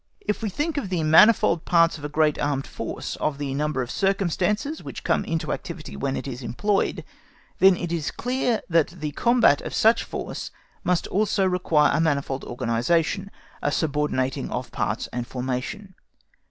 If we think of the manifold parts of a great armed force, of the number of circumstances which come into activity when it is employed, then it is clear that the combat of such a force must also require a manifold organisation, a subordinating of parts and formation.